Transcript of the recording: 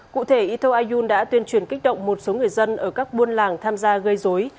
cụ thể eto ayun đã tuyên truyền kích động một số người dân ở các buôn làng tham gia gây dối